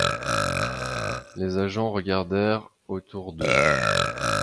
Les agents regardèrent autour d’eux.